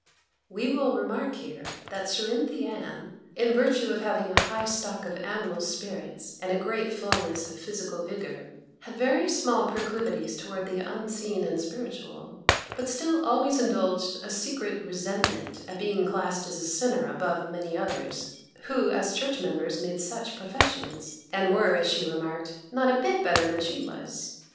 We will remark here that Cerinthy Ann, in virtue of having a high stock of animal spirits, and great fulness of physical vigour, had very small proclivities towards the unseen and spiritual; but still always indulged a secret resentment at being classed as a sinner above many others, who as church members made such professions, and were, as she remarked, 'not a bit better than she was.